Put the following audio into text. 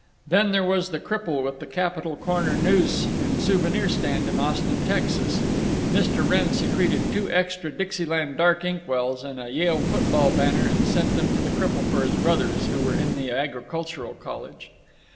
Then there was the cripple with the Capitol Corner News and Souvenir Stand in Austin, Texas. Mr. Wrenn secreted two extra Dixieland Ink wells and a Yale football banner and sent them to the cripple for his brothers, who were in the Agricultural College.